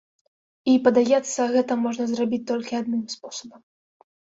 І, падаецца, гэта можна зрабіць толькі адным спосабам.